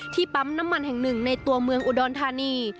ปั๊มน้ำมันแห่งหนึ่งในตัวเมืองอุดรธานี